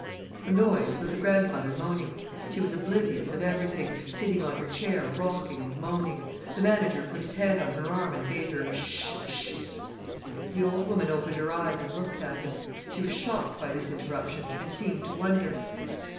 The noise was the grandmother moaning. She was oblivious of everything, sitting on her chair rocking and moaning. The manager put his hand on her arm and bade her "Sh—sh!!" The old woman opened her eyes and looked at him. She was shocked by this interruption, and seemed to wonder.